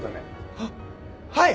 はっはい！